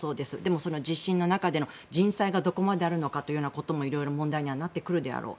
その中での人災がどこまであるのかもいろいろ問題にはなってくるであろう。